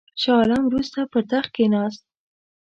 شاه عالم وروسته پر تخت کښېنست.